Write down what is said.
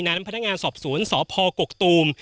น้ำพนักงานสอบศูนย์สพกกตูม